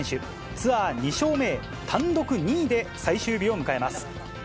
ツアー２勝目へ、単独２位で最終日を迎えます。